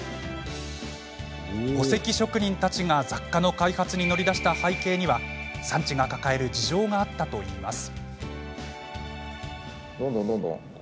墓石職人たちが雑貨の開発に乗り出した背景には産地が抱える事情があったといいます。